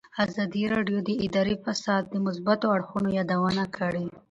ازادي راډیو د اداري فساد د مثبتو اړخونو یادونه کړې.